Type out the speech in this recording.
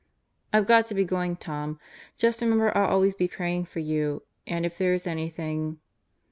"I've got to be going, Tom. Just remember I'll always be praying for you, and if there is anything